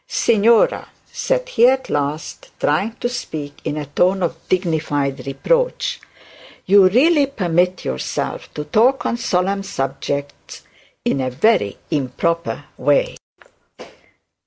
'Signora,' said he at last, trying to speak in a tone of dignified reproach, 'you really permit yourself to talk on such solemn subjects in a very improper way.'